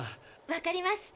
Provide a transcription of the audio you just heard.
わかります。